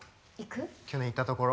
去年行ったところ。